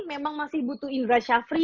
memang masih butuh indra syafri